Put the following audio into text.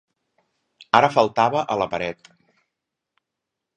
Ara faltava a la paret.